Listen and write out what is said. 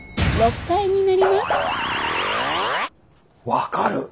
分かる。